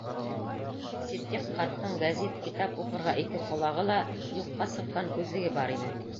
Ситдиҡ ҡарттың гәзит, китап уҡырға ике ҡолағы ла, юҡҡа сыҡҡан күҙлеге бар ине.